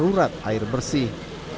darurat air bersih